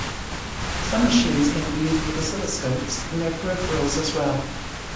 Some machines can be used with oscilloscopes and their peripherals as well.